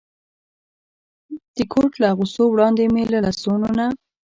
د کوټ له اغوستو وړاندې مې له لستوڼو نه.